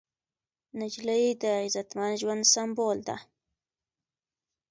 نجلۍ د عزتمن ژوند سمبول ده.